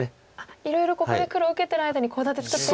いろいろここで黒受けてる間にコウ立て作って。